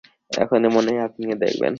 এখন মনে হয় আপনিও দেখবেন।